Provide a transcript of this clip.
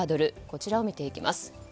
こちらを見ていきます。